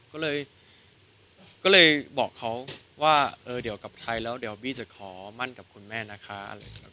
ก็เลยบอกเขาว่าเดี๋ยวกลับไทยแล้วบีจะขอมั่นกับคุณแม่นะคะ